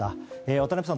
渡辺さん